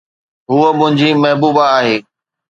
ھوءَ منھنجي محبوبا آھي.